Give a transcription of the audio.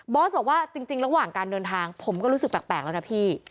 อสบอกว่าจริงระหว่างการเดินทางผมก็รู้สึกแปลกแล้วนะพี่